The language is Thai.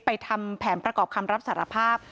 ทำแผนประกอบคำรับสารภาพ